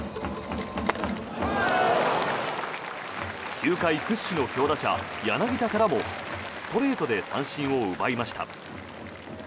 球界屈指の強打者、柳田からもストレートで三振を奪いました。